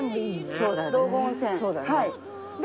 そうだよね。